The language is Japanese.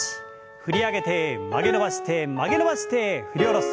振り上げて曲げ伸ばして曲げ伸ばして振り下ろす。